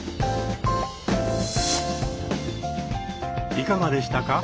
いかがでしたか？